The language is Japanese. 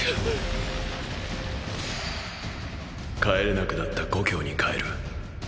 帰れなくなった故郷に帰る。